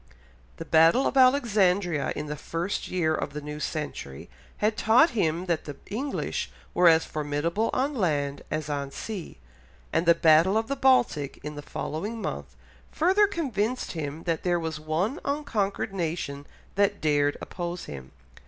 The Battle of Alexandria in the first year of the new century had taught him that the English were as formidable on land as on sea, and the Battle of the Baltic in the following month, further convinced him that there was one unconquered nation that dared oppose him.